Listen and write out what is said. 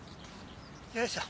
よいしょ。